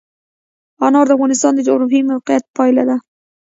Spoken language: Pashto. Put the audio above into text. انار د افغانستان د جغرافیایي موقیعت پایله ده.